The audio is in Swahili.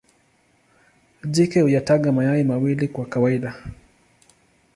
Jike huyataga mayai mawili kwa kawaida.